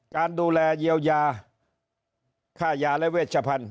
การดูแลเยียวยาค่ายาและเวชพันธ